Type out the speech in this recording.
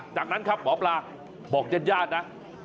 จากนั้นครับหมอปลาบอกญาติญาตินะ